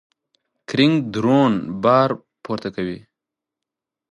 کرینګ درون بار پورته کوي.